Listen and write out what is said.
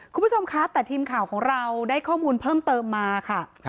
คุณผู้ชมคะแต่ทีมข่าวของเราได้ข้อมูลเพิ่มเติมมาค่ะ